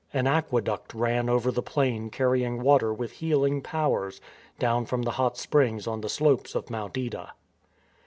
An aqueduct ran over the plain carrying water with healing powers down from the hot springs on the slopes of Mount Ida.